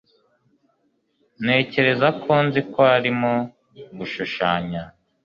Ntekereza ko nzi ko arimo gushushanya